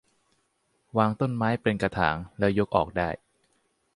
วางต้นไม้เป็นกระถางแล้วยกออกได้